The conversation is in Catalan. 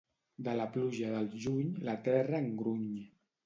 De la pluja del juny, la terra en gruny.